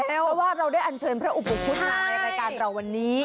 เพราะว่าเราได้อันเชิญพระอุปคุฎมาในรายการเราวันนี้